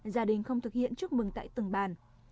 gia đình không thực hiện chúc mừng tại từng bàn